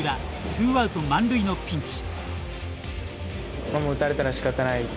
ツーアウト満塁のピンチ。